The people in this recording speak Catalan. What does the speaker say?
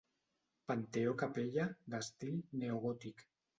Panteó-capella d'estil neogòtic.